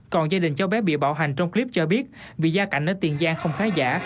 còn gia đình cháu bé bị bạo hành trong clip cho biết vì gia cảnh ở tiền giang không khá giả